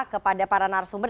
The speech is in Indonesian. kepada para narasumber